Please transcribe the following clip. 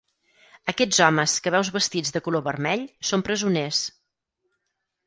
Aquests homes que veus vestits de color vermell són presoners.